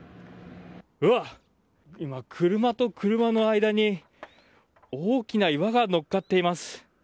うわ、車と車の間に大きな岩が乗っかっています。